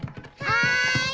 はい。